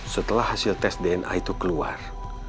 setelah hasil tes dna itu keluar